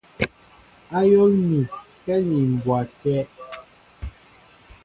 Ayól mi kɛ ni mbwa té.